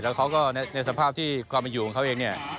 แล้วเขาก็ในสภาพที่ความเป็นอยู่ของเขาเองเนี่ย